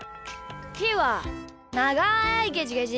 ひーはながいゲジゲジ。